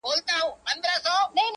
او څو لنډغرو ته له خولې غږ نه باسې